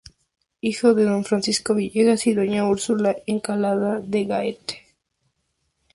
Hijo de don "Francisco Villegas" y doña "Úrsula Encalada y Gaete".